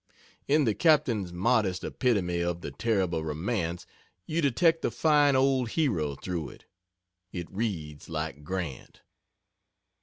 In the Captain's modest epitome of the terrible romance you detect the fine old hero through it. It reads like Grant.